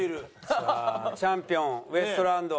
さあチャンピオンウエストランド。